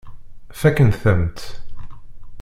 Fakkent-am-tt.